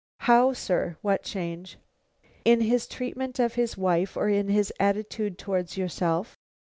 "How, sir; what change?" "In his treatment of his wife, or in his attitude towards yourself?"